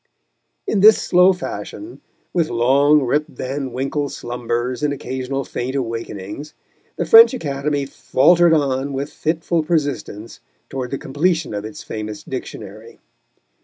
In this slow fashion, with long Rip Van Winkle slumbers and occasional faint awakenings, the French Academy faltered on with fitful persistence towards the completion of its famous Dictionary.